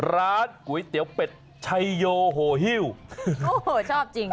ร้านก๋วยเตี๋ยวเป็ดชัยโยโหฮิวโอ้โหชอบจริง